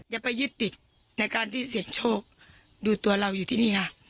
อย่าไปยึดติดในการที่เสี่ยงโชคดูตัวเราอยู่ที่นี่ค่ะ